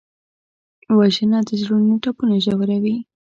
وژنه د زړونو ټپونه ژوروي